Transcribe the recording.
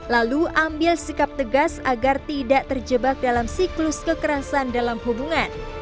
lalu ambil sikap tegas agar tidak terjebak dalam siklus kekerasan dalam hubungan